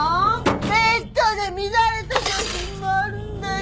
ベッドで乱れた写真もあるんだよ。